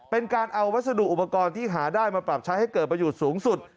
เป็นการเอาวัสดุอุปกรณ์ที่หาได้มาปรับใช้ให้เกิดประโยชน์สูงสุด